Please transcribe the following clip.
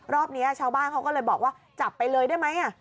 รอบนี้ชาวบ้านเขาก็เลยบอกว่าจับไปเลยได้ไหม